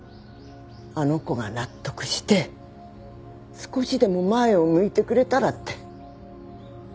あの子が納得して少しでも前を向いてくれたらって。